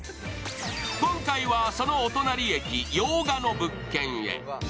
今回はそのお隣駅用賀の物件へ。